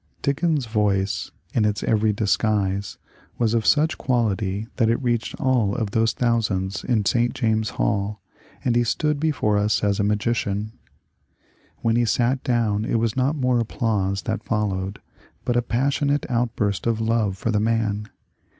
Dickens's voice in its every disguise was of such quality that it reached all of those thousands in St James's Hall, and he stood before us a magician. When he sat down it was not mere applause that followed, but a passionate outburst of love for the man.